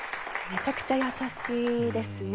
めちゃくちゃ優しいですね。